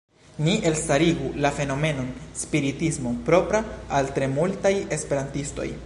Ni elstarigu la fenomenon “spiritismo propra al tre multaj esperantistoj.